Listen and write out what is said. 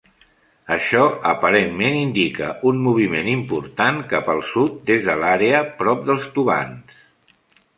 Això aparentment indica un moviment important cap al sud des de l'àrea prop dels tubants.